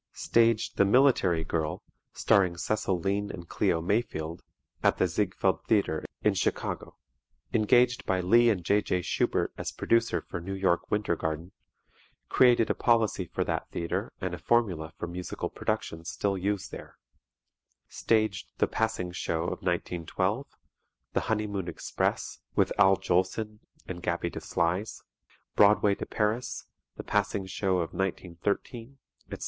Staged "The Military Girl," starring Cecil Lean and Cleo Mayfield, at the Ziegfeld Theatre in Chicago. Engaged by Lee and J.J. Shubert as producer for New York Winter Garden, created a policy for that theatre and a formula for musical productions still used there; staged "The Passing Show of 1912," "The Honeymoon Express," with Al Jolson and Gaby Deslys, "Broadway to Paris," "The Passing Show of 1913," etc.